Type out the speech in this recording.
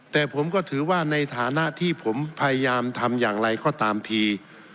แต่ผมก็ถือว่าในฐานะที่ผมพยายามทำอย่างไรก็ตามที